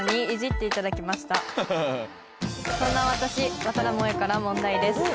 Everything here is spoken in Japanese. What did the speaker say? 「そんな私和多田萌衣から問題です」